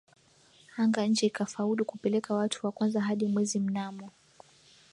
anga nje ikafaulu kupeleka watu wa kwanza hadi Mwezi mnamo